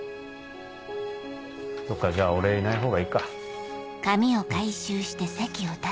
そっかじゃあ俺いないほうがいいか。